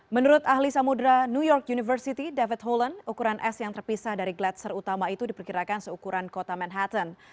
menurut ahli samudera new york university david holen ukuran es yang terpisah dari gletser utama itu diperkirakan seukuran kota manhattan